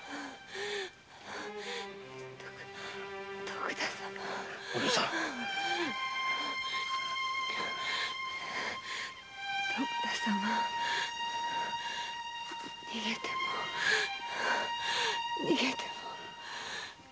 徳田様逃げても逃げても。